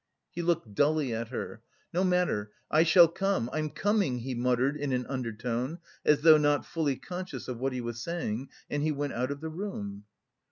He looked dully at her. "No matter, I shall come.... I'm coming," he muttered in an undertone, as though not fully conscious of what he was saying, and he went out of the room.